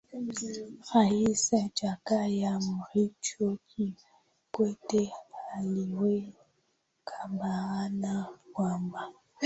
rais jakaya mrisho kikwete aliweka bayana kwamba